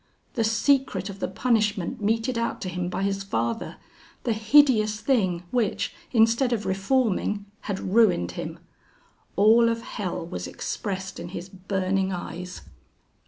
The secret of the punishment meted out to him by his father! The hideous thing which, instead of reforming, had ruined him! All of hell was expressed in his burning eyes.